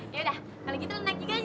yaudah kalo gitu lo naik juga aja